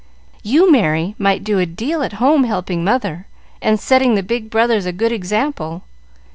"You, Merry, might do a deal at home helping mother, and setting the big brothers a good example.